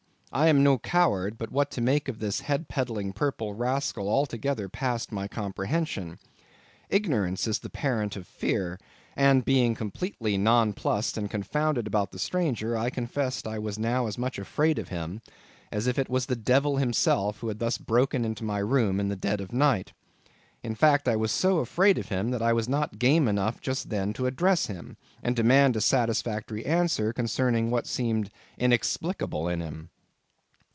I am no coward, but what to make of this head peddling purple rascal altogether passed my comprehension. Ignorance is the parent of fear, and being completely nonplussed and confounded about the stranger, I confess I was now as much afraid of him as if it was the devil himself who had thus broken into my room at the dead of night. In fact, I was so afraid of him that I was not game enough just then to address him, and demand a satisfactory answer concerning what seemed inexplicable in him.